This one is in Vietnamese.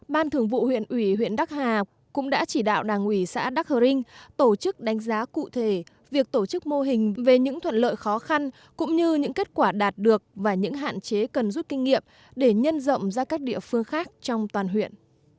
ban thường vụ huyện ủy huyện đắc hà cũng đã chỉ đạo đảng ủy xã đắc hờ rinh tổ chức đánh giá cụ thể việc tổ chức mô hình về những thuận lợi khó khăn cũng như những kết quả đạt được và những hạn chế cần rút kinh nghiệm để nhân rộng ra các địa phương khác trong toàn huyện